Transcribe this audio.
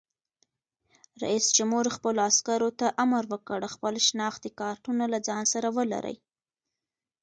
رئیس جمهور خپلو عسکرو ته امر وکړ؛ خپل شناختي کارتونه له ځان سره ولرئ!